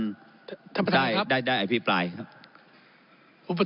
ครับครับครับครับครับครับครับครับครับครับครับครับครับครับ